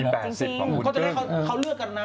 เดินให้เขาเลือกกันนะ